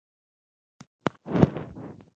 هغه د هغې په لور روان شو